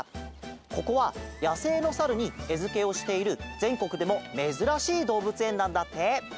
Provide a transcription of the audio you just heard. ここはやせいのサルにえづけをしているぜんこくでもめずらしいどうぶつえんなんだって。